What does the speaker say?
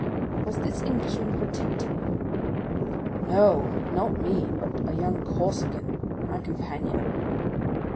"Was this Englishman protecting you?" "No, not me, but a young Corsican, my companion."